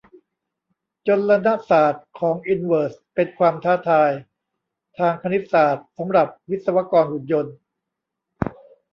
จลนศาสตร์ของอินเวอร์สเป็นความท้าทายทางคณิตศาสตร์สำหรับวิศวกรหุ่นยนต์